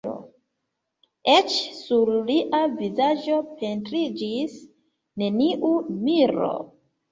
Eĉ sur lia vizaĝo pentriĝis neniu miro.